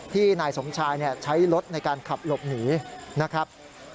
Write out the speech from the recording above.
นายสมชายใช้รถในการขับหลบหนีนะครับ